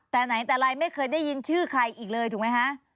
แต่ไหนแต่ไรไม่เคยได้ยินชื่อใครอีกเลยถูกไหมคะ